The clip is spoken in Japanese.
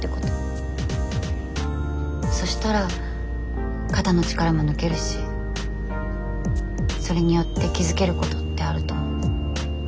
そしたら肩の力も抜けるしそれによって気付けることってあると思う。